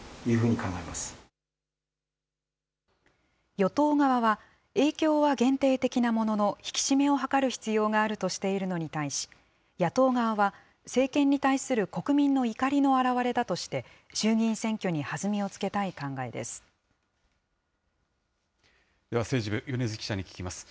与党側は、影響は限定的なものの、引き締めを図る必要があるとしているのに対し、野党側は、政権に対する国民の怒りの表れだとして、衆議院選挙に弾みをつけでは政治部、米津記者に聞きます。